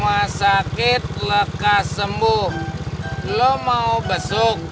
rumah sakit lekas sembuh lo mau besuk